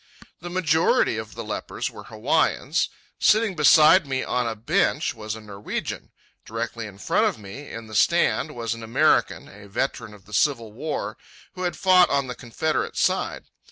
The majority of the lepers were Hawaiians. Sitting beside me on a bench was a Norwegian. Directly in front of me, in the stand, was an American, a veteran of the Civil War, who had fought on the Confederate side.